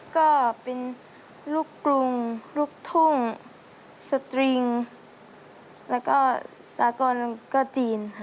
ก็เป็นลูกกรุงลูกทุ่งสตริงแล้วก็สากรก็จีนค่ะ